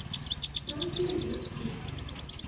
Franco Righetti